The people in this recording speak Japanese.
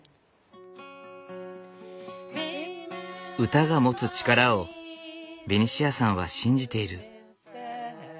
歌が持つ力をベニシアさんは信じている。